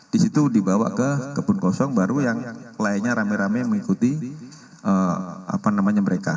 di situ dibawa ke kebun kosong baru yang kliennya rame rame mengikuti apa namanya mereka